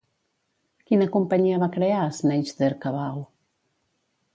Quina companyia va crear Sneijder-Cabau?